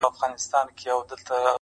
هوډ د ناامیدۍ دروازې تړلي ساتي,